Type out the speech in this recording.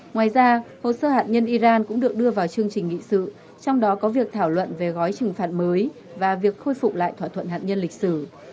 ngoài ra hồ sơ hạt nhân iran cũng được đưa vào chương trình nghị sự trong đó có việc thảo luận về gói trừng phạt mới và việc khôi phục lại thỏa thuận hạt nhân lịch sử